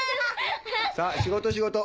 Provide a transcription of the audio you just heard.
さぁ仕事仕事！